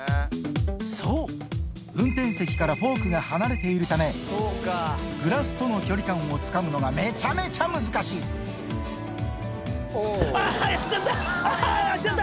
そう、運転席からフォークが離れているため、グラスとの距離感をつかむあー、やっちゃった。